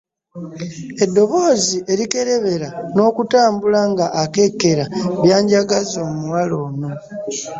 Eddoboozi erikerebera n'okutambula nga akekkera byanjagaza omuwala ono.